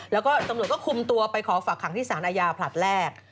แล้วก็ตำรวจก็คุมตัวไปขอฝักขังที่สารอาญาผลัดแรก